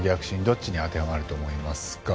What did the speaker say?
どっちに当てはまると思いますか？